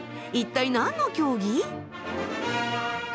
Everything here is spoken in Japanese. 一体何の競技？